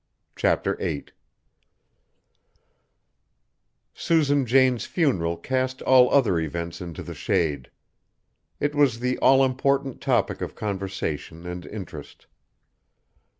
CHAPTER VIII Susan Jane's funeral cast all other events into the shade. It was the all important topic of conversation and interest.